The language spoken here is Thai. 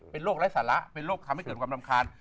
เป็นโรคไร้สาระเป็นโรคทำให้เกิดความรำคาญ